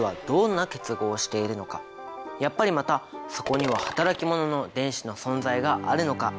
やっぱりまたそこには働き者の電子の存在があるのか？